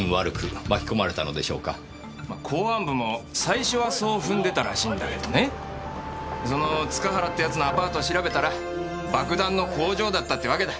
ま公安部も最初はそう踏んでたらしいんだけどねその塚原って奴のアパートを調べたら爆弾の工場だったってわけだ。